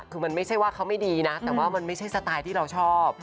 คือมันไม่ใช่ว่าเขาไม่ดีนะแต่ว่ามันไม่ใช่สไตล์ที่เราชอบ